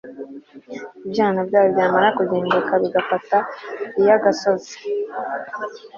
ibyana byayo byamara kugimbuka, bigafata iy'agasozi